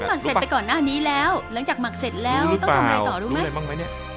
หักเสร็จไปก่อนหน้านี้แล้วหลังจากหมักเสร็จแล้วต้องทำอะไรต่อรู้ไหมอะไรบ้างไหมเนี่ย